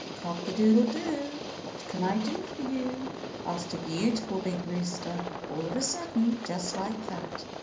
"Cock a doodle do, What can I do for you?" asked a beautiful big rooster, all of a sudden, just like that.